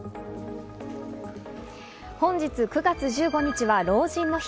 本日９月１５日は老人の日。